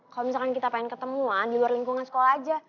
kalau misalkan kita pengen ketemuan di luar lingkungan sekolah aja